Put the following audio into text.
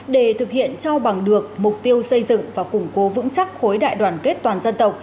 để thực hiện cho bằng được mục tiêu xây dựng và củng cố vững chắc khối đại đoàn kết toàn dân tộc